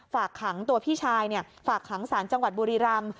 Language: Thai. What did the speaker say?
ฝากขังตัวพี่ชายฝากขังสารจังหวัดบุรีรำ